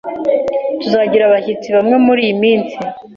Tuzagira abashyitsi bamwe muriyi minsi.